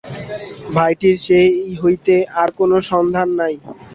ভাইটির সেই হইতে আর কোন সন্ধান নাই।